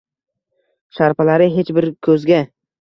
Sharpalari hech bir ko’zga